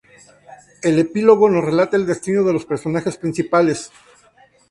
El "epílogo" nos relata el destino de los personajes principales.